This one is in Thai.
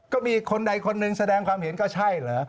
ก็มีคนใดคนหนึ่งแสดงความเห็นก็ใช่เหรอ